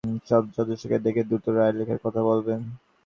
ইয়াহিয়া খান সামরিক আদালতের সব সদস্যকে ডেকে দ্রুত রায় লেখার কথা বললেন।